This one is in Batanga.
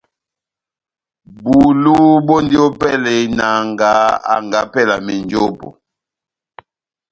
Bulu bɔndi ópɛlɛ ya inanga anga ópɛlɛ ya menjopo.